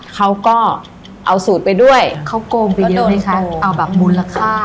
เขาก็เอาสูตรไปด้วยเขากงไปเย็นให้กลม